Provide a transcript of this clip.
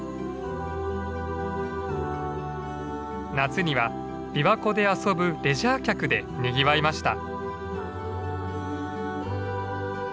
夏には琵琶湖で遊ぶレジャー客でにぎわいました。